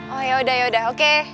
oh yaudah yaudah oke